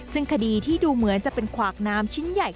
ซึ่งคดีที่ดูเหมือนจะเป็นขวากน้ำชิ้นใหญ่